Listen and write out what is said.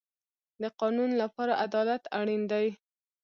د قانون لپاره عدالت اړین دی